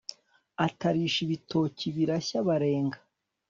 Atarisha ibitoki birashya barenga